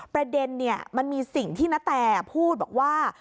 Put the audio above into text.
ประเด็นมันมีสิ่งที่ณแตพูดบอกว่า